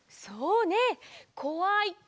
そうねこわい